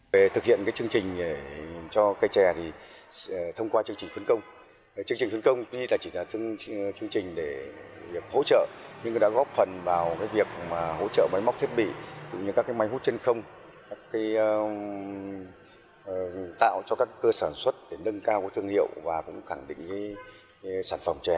về thực hiện chương trình